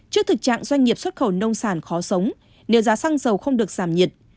trước thực trạng doanh nghiệp xuất khẩu nông sản khó sống nếu giá xăng dầu không được giảm nhiệt